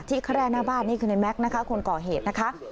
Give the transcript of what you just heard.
แคร่หน้าบ้านนี่คือในแม็กซ์นะคะคนก่อเหตุนะคะ